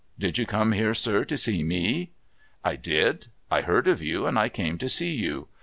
' Did you come here, sir, to see mc ?'' I did. I heard of you, and I came to see you.